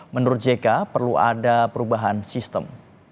menurut jk perlu ada perubahan sistem